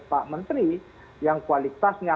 pak menteri yang kualitasnya